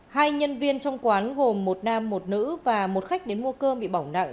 hai nhân viên trong quán gồm một nam một nữ và một khách đến mua cơm bị bỏng nặng